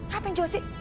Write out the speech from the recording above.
ngapain jauh sih